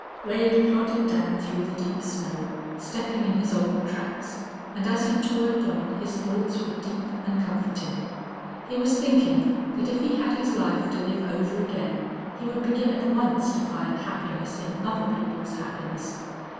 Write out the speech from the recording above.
Wade plodded down through the deep snow, stepping in his old tracks, and as he toiled on his thoughts were deep and comforting. He was thinking that if he had his life to live over again he would begin at once to find happiness in other people's happiness.